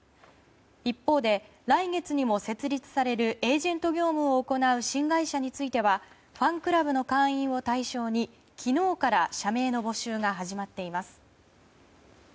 一方で来月にも設立されるエージェント業務を行う新会社についてはファンクラブの会員を対象に昨日から社名の募集が始まっています。